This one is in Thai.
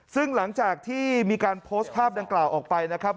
ซึ่งหลังจากที่มีการโพสต์ภาพดังกล่าวออกไปนะครับ